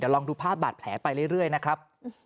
ลองดูภาพบาดแผลไปเรื่อยนะครับ